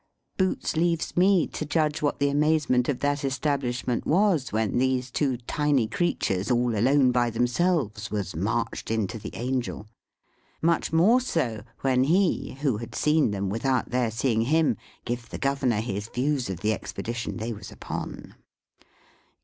Boots leaves me to judge what the amazement of that establishment was, when these two tiny creatures all alone by themselves was marched into the Angel, much more so, when he, who had seen them without their seeing him, give the Governor his views of the expedition they was upon.